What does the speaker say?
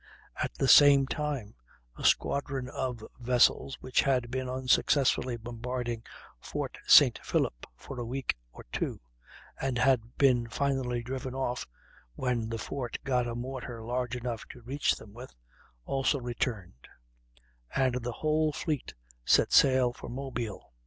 At the same time, a squadron of vessels, which had been unsuccessfully bombarding Fort Saint Philip for a week or two, and had been finally driven off when the fort got a mortar large enough to reach them with, also returned; and the whole fleet set sail for Mobile.